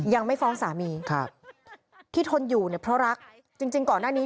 ยังไม่ฟ้องสามีพี่ทนอยู่เพราะรักจริงก่อนหน้านี้